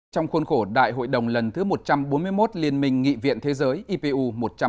trong khuôn khổ đại hội đồng lần thứ một trăm bốn mươi một liên minh nghị viện thế giới ipu một trăm bốn mươi